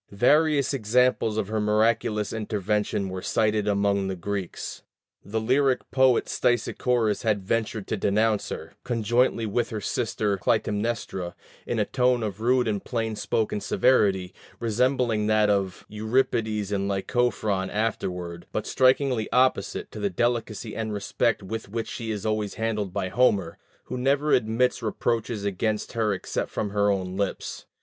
Various examples of her miraculous intervention were cited among the Greeks. The lyric poet Stesichorus had ventured to denounce her, conjointly with her sister Clytemnestra, in a tone of rude and plain spoken severity, resembling that of Euripides and Lycophron afterward, but strikingly opposite to the delicacy and respect with which she is always handled by Homer, who never admits reproaches against her except from her own lips.